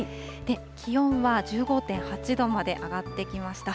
気温は１５．８度まで上がってきました。